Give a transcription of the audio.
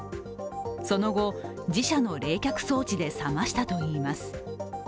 その後、自社の冷却装置で冷ましたといいます。